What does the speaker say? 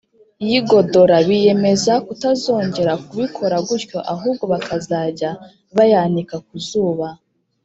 y’igodora biyemeza kutazongera kubikora gutyo ahubwo bakazajya bayanika ku zuba